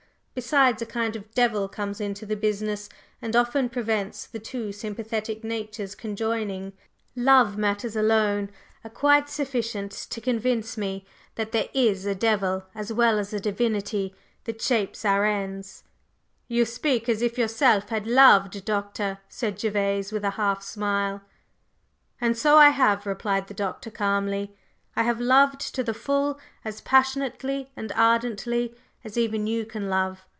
Besides, a kind of devil comes into the business, and often prevents the two sympathetic natures conjoining. Love matters alone are quite sufficient to convince me that there is a devil as well as a divinity that 'shapes our ends.'" "You speak as if you yourself had loved, Doctor," said Gervase, with a half smile. "And so I have," replied the Doctor, calmly. "I have loved to the full as passionately and ardently as even you can love.